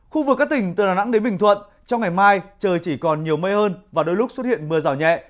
khu vực các tỉnh từ đà nẵng đến bình thuận trong ngày mai trời chỉ còn nhiều mây hơn và đôi lúc xuất hiện mưa rào nhẹ